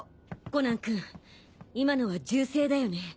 コナン君今のは銃声だよね？